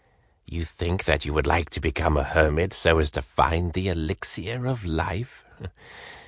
You think that you would like to become a hermit so as to find the Elixir of Life.